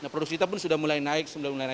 produksi kita pun sudah mulai naik